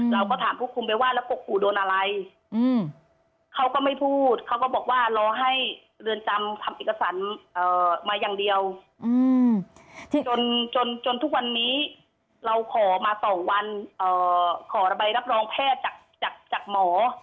เราก็ถามผู้คุมไปว่าแล้วปกครูโดนอะไรเขาก็ไม่พูดเขาก็บอกว่ารอให้เรือนจำทำเอกสารมาอย่างเดียวจนทุกวันนี้เราขอมา๒วันขอระบายรับรองแพทย์จากหมอ